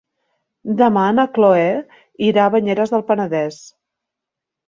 Demà na Cloè irà a Banyeres del Penedès.